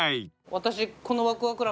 私。